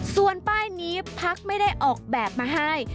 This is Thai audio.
ส่วนป้ายนี้พักไม่ได้ออกแบบมาให้